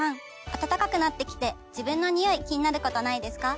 暖かくなってきて自分のニオイ気になることないですか？